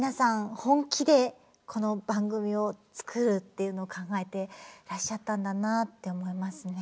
本気でこの番組を作るっていうの考えていらっしゃったんだなあって思いますね。